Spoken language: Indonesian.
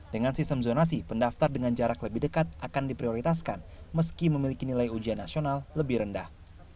dengan sistem zonasi pendaftar dengan jarak lebih dekat akan diprioritaskan meski memiliki nilai ujian nasional lebih rendah